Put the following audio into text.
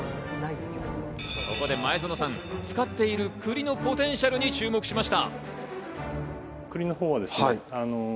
ここで前園さん、使っている栗のポテンシャルに注目しました。